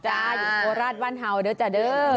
โอราชวันเท้าเด้อจ่ะเด้อ